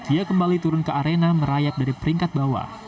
ia kembali turun ke arena merayak dari peringkat bawah